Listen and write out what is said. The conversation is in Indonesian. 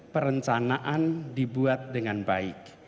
perencanaan dibuat dengan baik